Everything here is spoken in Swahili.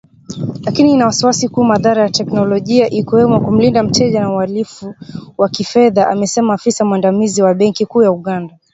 Lakini ina wasiwasi kuhusu madhara ya kiteknolojia ikiwemo kumlinda mteja na uhalifu wa kifedha, amesema afisa mwandamizi wa benki kuu ya Uganda